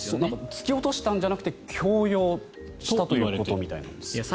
突き落としたんじゃなくて強要したということみたいですね。